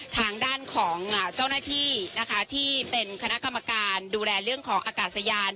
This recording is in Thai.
ทางด้านของเจ้าหน้าที่นะคะที่เป็นคณะกรรมการดูแลเรื่องของอากาศยาน